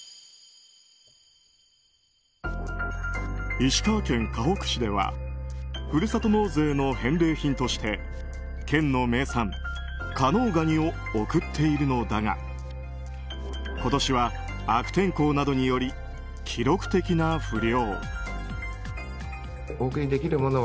石川県かほく市ではふるさと納税の返礼品として県の名産、加納ガニを送っているのだが今年は悪天候などにより記録的な不漁。